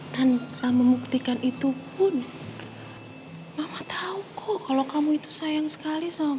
tanpa membuktikan itu pun mama tahu kok kalau kamu itu sayang sekali sama